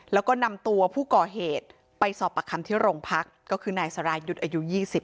แล้วก็นำตัวผู้ก่อเหตุไปสอบประคำที่โรงพักก็คือนายสรายุทธ์อายุ๒๐